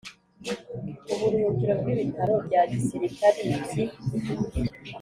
uburuhukiro bw ibitaro bya gisirikari by i